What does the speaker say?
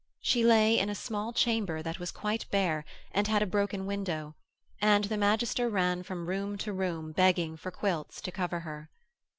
She lay in a small chamber that was quite bare and had a broken window, and the magister ran from room to room begging for quilts to cover her.